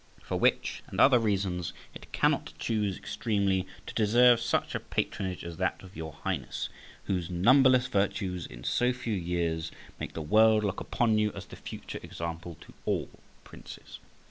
For which, and other reasons, it cannot choose extremely to deserve such a patronage as that of your Highness, whose numberless virtues in so few years, make the world look upon you as the future example to all princes.